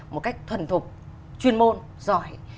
một cách thuần thuộc chuyên môn giỏi